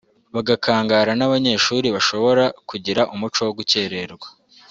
bagakangara n’abanyeshuri bashobora kugira umuco wo gukererwa